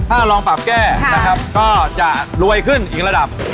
ถ้าลองปรับแก้นะครับก็จะรวยขึ้นอีกระดับ